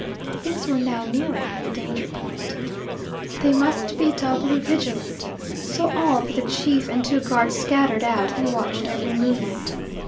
Things were now nearing the danger point. They must be doubly vigilant; so all but the chief and two guards scattered out and watched every movement.